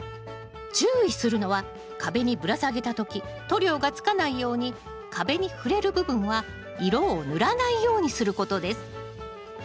注意するのは壁にぶら下げた時塗料がつかないように壁に触れる部分は色を塗らないようにすることです